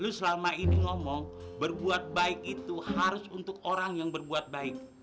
saya selama ini ngomong berbuat baik itu harus untuk orang yang berbuat baik